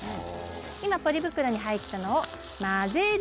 今ポリ袋に入ったのを混ぜるだけ。